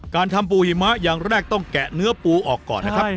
การทำปูหิมะอย่างแรกต้องแกะเนื้อปูออกก่อนนะครับ